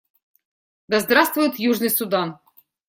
Да здравствует Южный Судан!